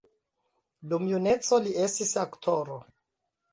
Dum juneco li estis aktoro.